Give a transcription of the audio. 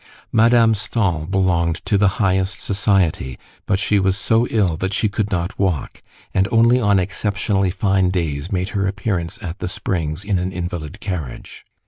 Madame Stahl belonged to the highest society, but she was so ill that she could not walk, and only on exceptionally fine days made her appearance at the springs in an invalid carriage.